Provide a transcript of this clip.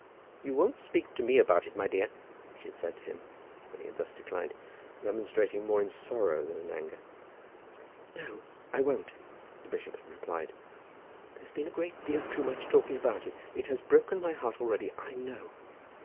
"You won't speak to me about it, my dear?" she had said to him, when he had thus declined, remonstrating more in sorrow than in anger. "No; I won't," the bishop had replied; "there has been a great deal too much talking about it. It has broken my heart already, I know."